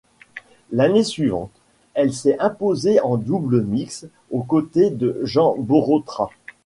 L'année suivante, elle s'est imposée en double mixte aux côtés de Jean Borotra.